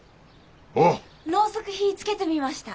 ろうそく火つけてみました。